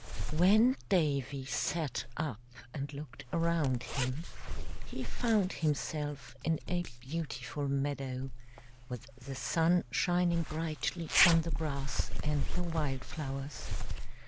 When Davy sat up and looked around him he found himself in a beautiful meadow, with the sun shining brightly on the grass and the wild flowers.